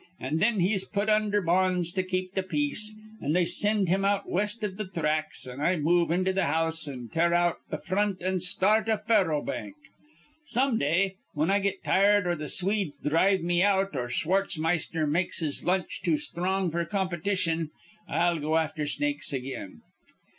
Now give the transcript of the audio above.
An' thin he's put undher bonds to keep the peace, an' they sind him out west iv th' thracks; an' I move into th' house, an' tear out th' front an' start a faro bank. Some day, whin I get tired or th' Swedes dhrive me out or Schwartzmeister makes his lunch too sthrong f'r competition, I'll go afther Snakes again.